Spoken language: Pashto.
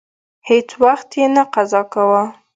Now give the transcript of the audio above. هیڅ وخت یې نه قضا کاوه.